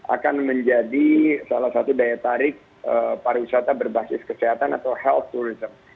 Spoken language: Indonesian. akan menjadi salah satu daya tarik pariwisata berbasis kesehatan atau health tourism